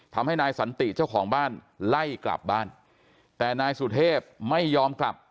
ทำให้นายสันติเจ้าของบ้านไล่กลับบ้านแต่นายสุเทพไม่ยอมกลับ